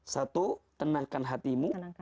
satu tenangkan hatimu